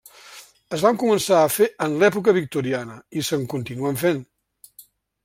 Es van començar a fer en l'època victoriana i se'n continuen fent.